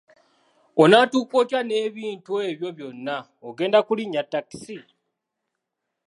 Onatuuka otya n'ebintu ebyo byonna, ogenda kulinnya takisi?